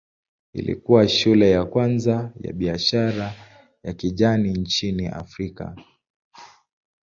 Ilikuwa shule ya kwanza ya biashara ya kijani nchini Afrika.